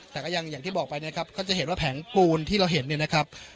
แต่ก็ยังอย่างที่บอกไปนะครับเขาจะเห็นว่าแผงปูนที่เราเห็นเนี่ยนะครับ